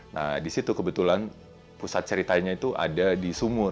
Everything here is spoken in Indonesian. nah disitu kebetulan pusat ceritanya itu ada di sumur